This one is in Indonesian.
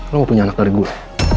lo mau punya anak dari gue